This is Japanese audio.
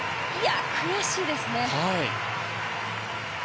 悔しいですね。